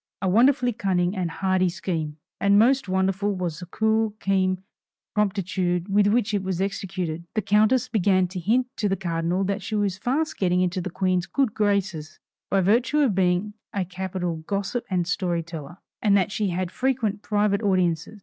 A wonderfully cunning and hardy scheme! And most wonderful was the cool, keen promptitude with which it was executed. The countess began to hint to the cardinal that she was fast getting into the Queen's good graces, by virtue of being a capital gossip and story teller; and that she had frequent private audiences.